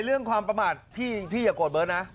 เรื่องความประมาทพี่อย่าโกรธเบิร์ตนะ